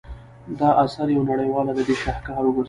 دا اثر یو نړیوال ادبي شاهکار وګرځید.